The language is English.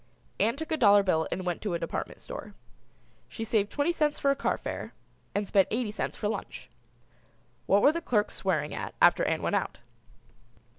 Ann took a dollar bill and went to a department store. She saved twenty cents for car fare and spent eighty cents for lunch. What were the clerks swearing at after Ann went out?